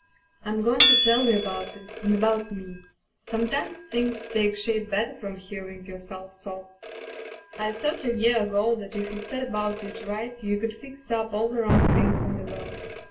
" Fm going to tell you about it — ^and about me. Sometimes things take shape better from hearing yourself talk. " I thought a year ago that if you set about it right you could fix up all the wrong things in the world.